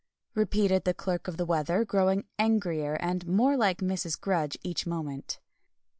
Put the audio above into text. repeated the Clerk of the Weather, growing angrier and more like Mrs. Grudge each moment.